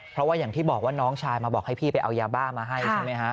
เพราะว่าอย่างที่บอกว่าน้องชายมาบอกให้พี่ไปเอายาบ้ามาให้ใช่ไหมฮะ